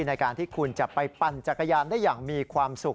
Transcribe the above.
ในการที่คุณจะไปปั่นจักรยานได้อย่างมีความสุข